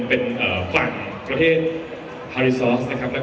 เมื่อเวลาอันดับสุดท้ายมันกลายเป้าหมายเป้าหมาย